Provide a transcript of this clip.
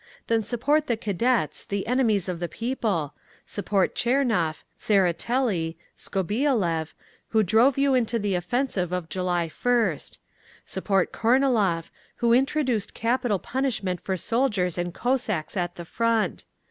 Then support the Cadets, the enemies of the people, support Tchernov, Tseretelli, Skobeliev, who drove you into the offensive of July 1st; support Kornilov, who introduced capital punishment for soldiers and Cossacks at the front.